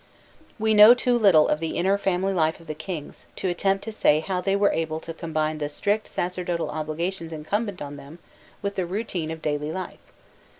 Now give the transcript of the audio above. We know too little of the inner family life of the kings, to attempt to say how they were able to combine the strict sacerdotal obligations incumbent on them with the routine of daily life.